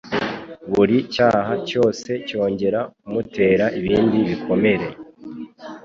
Buri cyaha cyose cyongera kumutera ibindi bikomere.